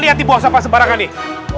lihat di bawah sampah sebarangnya nih